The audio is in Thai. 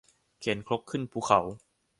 เข็นครกขึ้นภูเขา